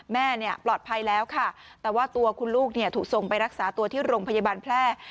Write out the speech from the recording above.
แม่ปลอดภัยแล้วค่ะแต่ว่าตัวคุณลูกถูกส่งไปรักษาตัวที่โรงพยาบาลแพร่